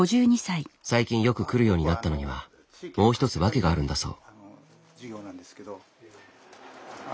最近よく来るようになったのにはもう一つ訳があるんだそう。